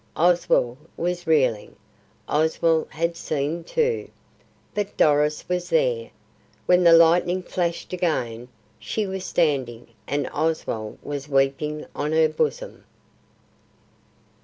Oswald was reeling; Oswald had seen too. But Doris was there. When the lightning flashed again, she was standing and Oswald was weeping on her bosom.